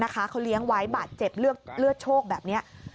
เขาเลี้ยงไว้บาดเจ็บเลือดโชคแบบนี้